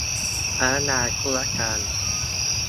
พนักงานธุรการ